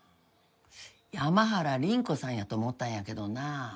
山原倫子さんやと思ったんやけどな。